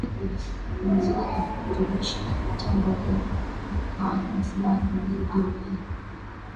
kuongezeka kwa virutubishi kupitia mbolea kwa mifumo ya ikolojia iliyo